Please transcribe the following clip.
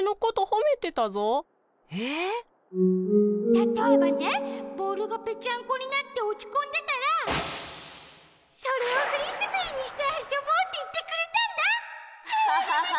たとえばねボールがぺちゃんこになっておちこんでたらそれをフリスビーにしてあそぼうっていってくれたんだ。